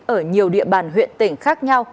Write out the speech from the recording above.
ở nhiều địa bàn huyện tỉnh khác nhau